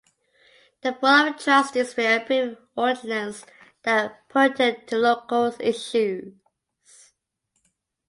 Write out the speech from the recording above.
The Board of Trustees may approve ordinances that pertain to local issues.